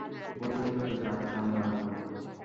বললই হত যে আচ্ছা আমরা আসবো!